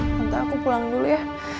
nanti aku pulang dulu ya